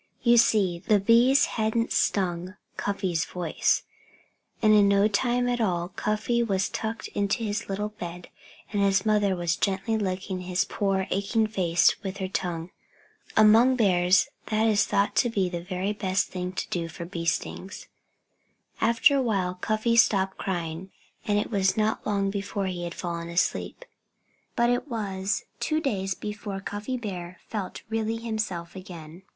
You see, the bees hadn't stung Cuffy's voice. And in no time at all Cuffy was tucked into his little bed and his mother was gently licking his poor, aching face with her tongue. Among bears that is thought to be the very best thing to do for bee stings. After a while Cuffy stopped crying. And it was not long before he had fallen asleep. But it was two days before Cuffy Bear felt really himself again.